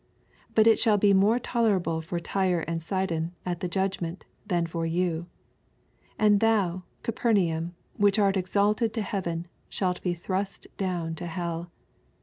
14 But it shall be more tolerable for Tyre and Sidon at the judgment, than for you. 15 And thou, Capernaum, which art exalted to heaven, shalt be thrust down to hell.